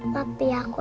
tapi aku angkat ma